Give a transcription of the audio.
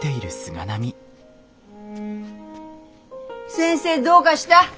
先生どうかした？